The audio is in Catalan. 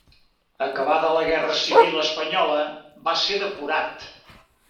Acabada la Guerra Civil espanyola va ser depurat.